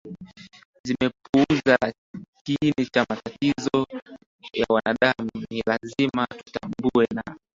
zimepuuza kiini cha matatizo ya wanadamuNi lazima tutambue na